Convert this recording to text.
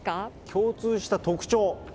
共通した特徴？